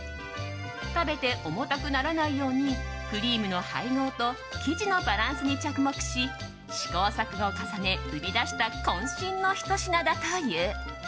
食べて重たくならないようにクリームの配合と生地のバランスに着目し試行錯誤を重ね売り出した渾身のひと品だという。